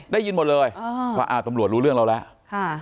ได้ยินหมดเลยว่าอ้าวตำรวจรู้เรื่องเราแล้ว